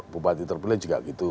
bupati terpilih juga begitu